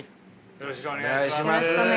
よろしくお願いします。